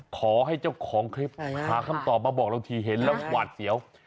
ขอให้เจ้าของคลิปหาคำตอบมาบอกเราทีเห็นแล้วหวาดเสียว